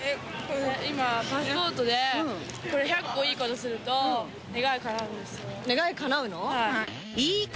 今、パスポートで、これ１００個いいことすると、願いかなうんですよ。